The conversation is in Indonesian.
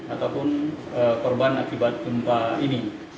ataupun korban akibat gempa ini